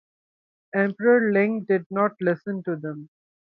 Emperor Ling did not listen to them.